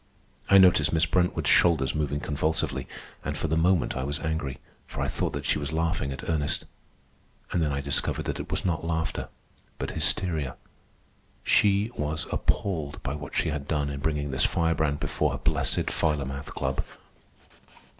I noticed Miss Brentwood's shoulders moving convulsively, and for the moment I was angry, for I thought that she was laughing at Ernest. And then I discovered that it was not laughter, but hysteria. She was appalled by what she had done in bringing this firebrand before her blessed Philomath Club.